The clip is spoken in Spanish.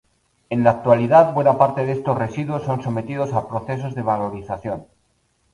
En la actualidad, buena parte de estos residuos son sometidos a procesos de valorización.